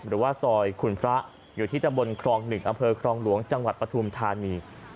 หรือว่าซอยขุนพระอยู่ที่ตำบลครอง๑อำเภอครองหลวงจังหวัดปฐุมธานี